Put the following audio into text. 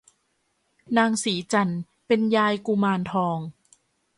นางสีจันทร์เป็นยายกุมารทอง